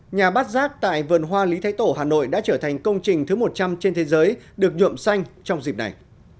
nhà bát giác tại vườn hoa lý thái tổ hà nội đã trở thành công trình thứ một trăm linh trên thế giới được nhuộm xanh trong dịp này